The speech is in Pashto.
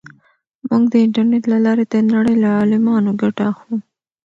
موږ د انټرنیټ له لارې د نړۍ له عالمانو ګټه اخلو.